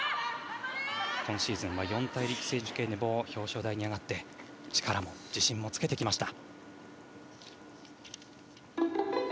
今シーズンは四大陸選手権でも表彰台に上がって力も自信もつけてきました。